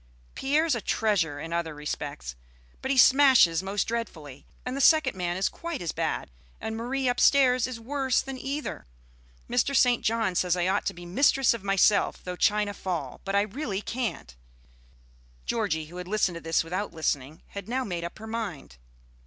Pierre's a treasure in other respects, but he smashes most dreadfully; and the second man is quite as bad; and Marie, upstairs, is worse than either. Mr. St. John says I ought to be 'mistress of myself, though china fall;' but I really can't." Georgie, who had listened to this without listening, had now made up her mind.